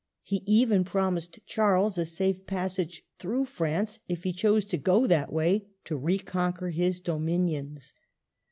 He even promised Charles a safe passage through France if he chose to go that way to reconquer his dominions.